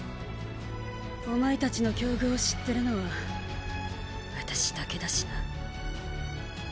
お前たちの境遇を知ってるのは私だけだしな。